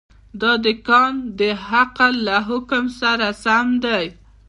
دا د کانټ د عقل له حکم سره سم دی.